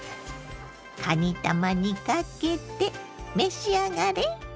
かにたまにかけて召し上がれ。